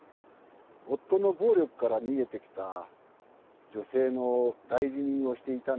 夫の暴力から逃げてきた女性の代理人をしていたんです。